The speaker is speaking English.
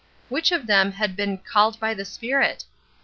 Which of them had been "called by the Spirit"?